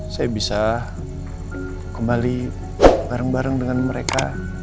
saya bisa kembali bareng bareng dengan mereka